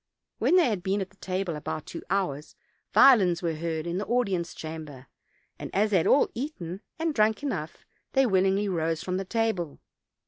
When they had been at table about two hours violins were heard in the audience chamber; and as they had all eaten and drank enough, they willingly rose from table.